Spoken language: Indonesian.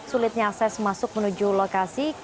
sulitnya akses masuk menuju lokasi